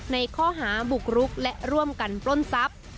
ในข้อหาบุกรุกและร่วมกันปล้นทรัพย์